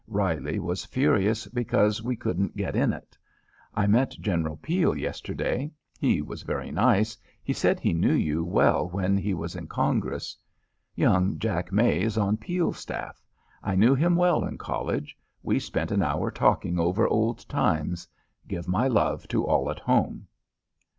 Reilly was furious because we couldn't get in it. I met General Peel yesterday. He was very nice. He said he knew you well when he was in Congress. Young Jack May is on Peel's staff. I knew him well in college. We spent an hour talking over old times. Give my love to all at home."